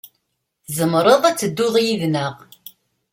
Tzemreḍ ad tedduḍ yid-neɣ.